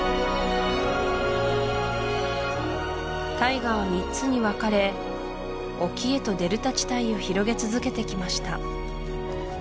大河は３つに分かれ沖へとデルタ地帯を広げ続けてきました